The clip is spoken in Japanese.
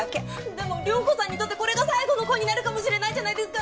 でも涼子さんにとってこれが最後の恋になるかもしれないじゃないですか。